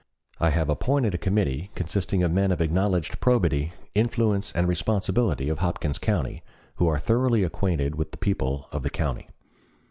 I have appointed a committee consisting of men of acknowledged probity, influence, and responsibility of Hopkins County, who are thoroughly acquainted with the people of the county.